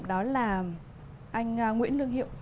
đó là anh nguyễn lương hiệu